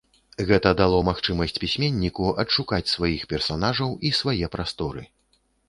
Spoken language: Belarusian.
Гэта дало магчымасць пісьменніку адшукаць сваіх персанажаў і свае прасторы.